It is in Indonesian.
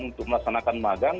untuk melaksanakan magang